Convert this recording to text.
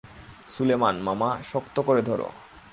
সুলেমান, মামা, শক্ত করে ধরো!